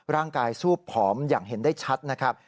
ร่างกายซูบผอมอย่างเห็นได้ชัดนะครับ